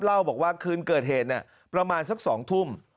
เล่าบอกว่าคืนเกิดเหตุประมาณสัก๒ทุ่ม